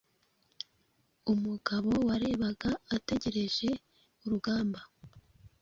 Umugabo warebagaategereje urugamba